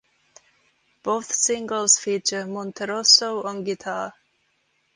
Both singles feature Monterosso on guitar.